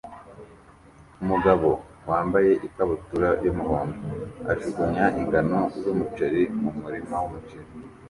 Umugabo wambaye ikabutura y'umuhondo ajugunya ingano z'umuceri mu murima w'umuceri